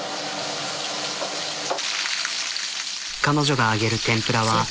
彼女が揚げる天ぷらは。